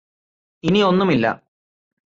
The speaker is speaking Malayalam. ഇനിയൊന്നുമില്ല